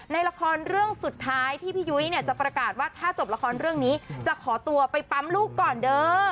ในละครเรื่องสุดท้ายที่พี่ยุ้ยเนี่ยจะประกาศว่าถ้าจบละครเรื่องนี้จะขอตัวไปปั๊มลูกก่อนเด้อ